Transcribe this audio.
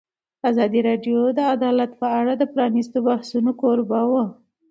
ازادي راډیو د عدالت په اړه د پرانیستو بحثونو کوربه وه.